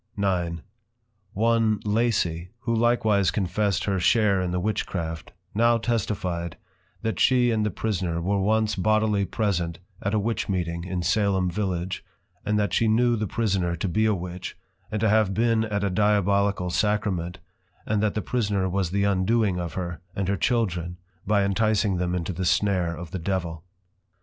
IX. One Lacy, who likewise confessed her share in this Witchcraft, now testify'd, that she and the prisoner were once Bodily present at a Witch meeting in Salem Village; and that she knew the prisoner to be a Witch, and to have been at a Diabolical sacrament, and that the prisoner was the undoing of her, and her Children, by enticing them into the snare of the Devil.